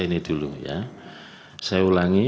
ini dulu ya saya ulangi